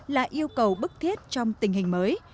là yêu cầu bức thiết trong tình hình mới